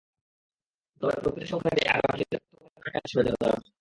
তবে প্রকৃত সংখ্যাটি আগামী জুনে তথ্যভান্ডারের কাজ শেষ হলে জানা যাবে।